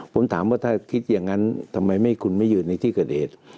ผมถามว่าถ้าคิดอย่างนั้นทำไมคุณไม่ยืนในที่เกิดเหตุ